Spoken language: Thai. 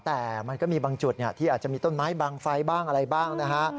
แต่มันก็มีบางจุดที่อาจจะมีต้นไม้บางไฟบ้างอะไรบ้างนะฮะ